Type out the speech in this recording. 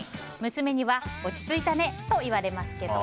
娘には落ち着いたねと言われますけど。